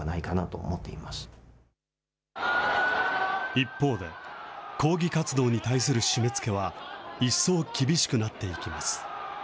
一方で、抗議活動に対する締めつけは一層厳しくなっていきます。